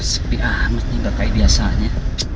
sepi amat nih gak kayak biasanya